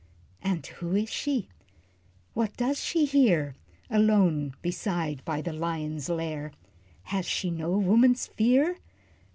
And who is she? What does she there? Alone beside by the lion's lair! Has she no woman's fear?